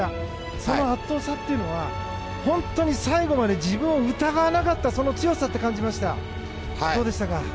その圧倒さというのは本当に最後まで自分を疑わなかった強さと感じました。